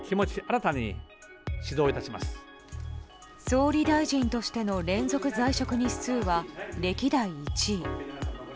総理大臣としての連続在職日数は、歴代１位。